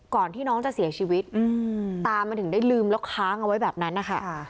ก่อนที่น้องจะเสียชีวิตตามันถึงได้ลืมแล้วค้างเอาไว้แบบนั้นนะคะ